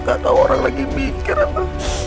gak tau orang lagi mikir apa